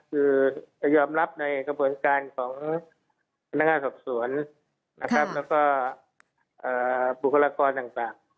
คือจะยอมรับในกระบวนการของพนักงานสรรค์สวนและก็บุคลากรต่าง